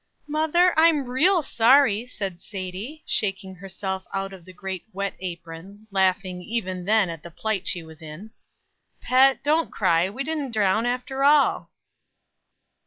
"Mother, I'm real sorry," said Sadie, shaking herself out of the great wet apron, laughing even then at the plight she was in. "Pet, don't cry. We didn't drown after all."